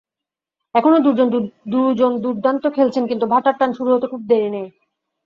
এখনো দুজন দুর্দান্ত খেলছেন, কিন্তু ভাটার টান শুরু হতে খুব দেরি নেই।